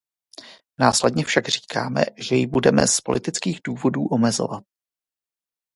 Následně však říkáme, že ji budeme z politických důvodů omezovat.